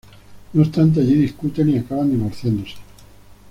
No obstante, allí discuten y acaban divorciándose.